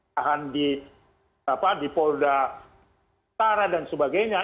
yang ditahan di polda tara dan sebagainya